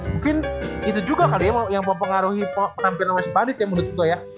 mungkin itu juga kali ya yang mau pengaruhi penampilan wes bandit ya menurut gue ya